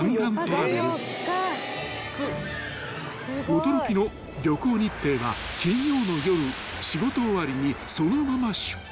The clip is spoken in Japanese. ［驚きの旅行日程は金曜の夜仕事終わりにそのまま出発］